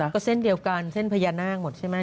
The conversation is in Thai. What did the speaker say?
ก็เส้นเดียวกันเส้นพญานาคหมดใช่ไหม